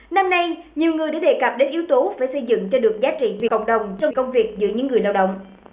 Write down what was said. năm nay nhiều người đã đề cập đến yếu tố phải xây dựng cho được giá trị vì cộng đồng trong công việc giữa những người lao động